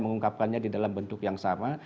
mengungkapkannya di dalam bentuk yang sama